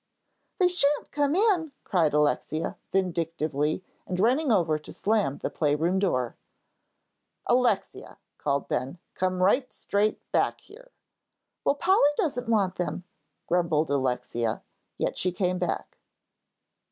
"They shan't come in," cried Alexia, vindictively, and running over to slam the playroom door. "Alexia," called Ben, "come right straight back here." "Well, Polly doesn't want them," grumbled Alexia, yet she came back.